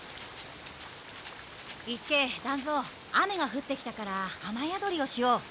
伊助団蔵雨がふってきたから雨宿りをしよう。